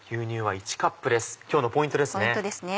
今日のポイントですね。